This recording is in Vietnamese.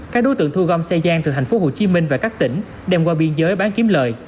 các đối tượng thu gom xe gian từ thành phố hồ chí minh và các tỉnh đem qua biên giới bán kiếm lời